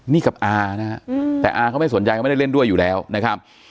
นี่กับอานะฮะแต่อาเขาไม่สนใจเขาไม่ได้เล่นด้วยอยู่แล้วนะครับ